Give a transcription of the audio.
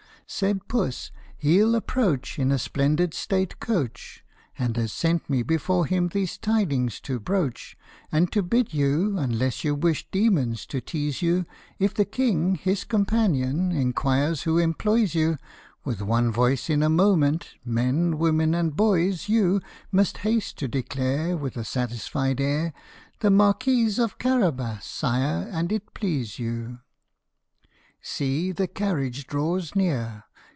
Said Puss, " He 11 approach In a splendid state coach, And has sent me before him these tidings to broach, And to bid you, unless you wish demons to tease you, If the King, his companion, inquires who employs you, With one voice in a moment, men, women, and boys, you Must haste to declare, With a satisfied air, ' The Marquis of Carabas, sire, an it please you !' See ! The carriage draws near